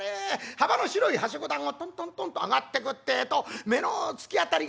幅の広い梯子段をトントントンと上がってくってえと目の突き当たりが４畳半だよ。